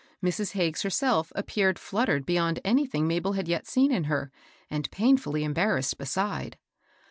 Mrs. Hag ges herself appeared fluttered beyond anything Mabel had yet seen in her, and painfully embar rassed beside.